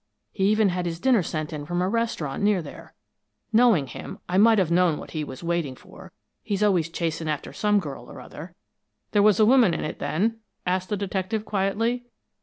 He even had his dinner sent in from a restaurant near there. Knowing him, I might have known what it was he was waiting for he's always chasing after some girl or other." "There was a woman in it, then?" asked the detective, quietly.